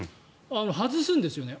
外すんですよね。